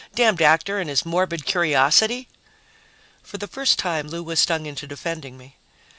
"Damned actor and his morbid curiosity!" For the first time, Lou was stung into defending me.